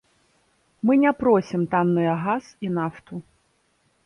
Мы не просім танныя газ і нафту.